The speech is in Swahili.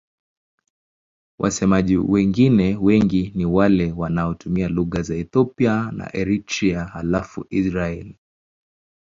Wasemaji wengine wengi ni wale wanaotumia lugha za Ethiopia na Eritrea halafu Israel.